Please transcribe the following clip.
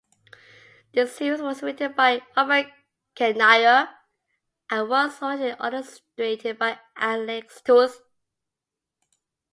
The series was written by Robert Kanigher, and was originally illustrated by Alex Toth.